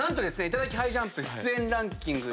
『いただきハイジャンプ』出演ランキング